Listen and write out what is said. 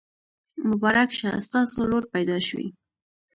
مبارک شه! ستاسو لور پیدا شوي.